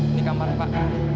ini kamarnya pak